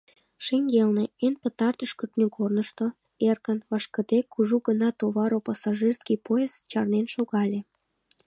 Шеҥгелне, эн пытартыш кӱртньыгорнышто, эркын, вашкыде кужу гына товаро-пассажирский поезд чарнен шогале.